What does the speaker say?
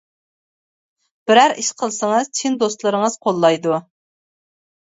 بىرەر ئىش قىلسىڭىز، چىن دوستلىرىڭىز قوللايدۇ.